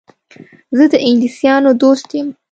زه د انګلیسیانو دوست یم.